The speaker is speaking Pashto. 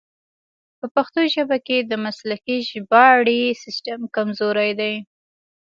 په پښتو ژبه کې د مسلکي ژباړې سیستم کمزوری دی.